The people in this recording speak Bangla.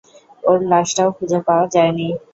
ওর লাশটাও খুঁজে পাওয়া যায়নি।